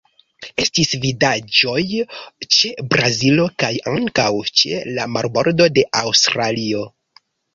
Estis vidaĵoj ĉe Brazilo kaj ankaŭ ĉe la marbordo de Aŭstralio.